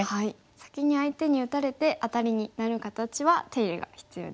先に相手に打たれてアタリになる形は手入れが必要ですね。